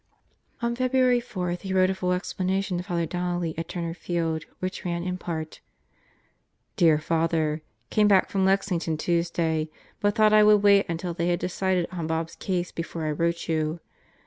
On February 4 he wrote a full explanation to Father Donnelly at Turner Field, which ran in part: Dear Father: Came back from Lexington Tuesday, but thought I would wait until they had decided on Bob's case before I wrote you.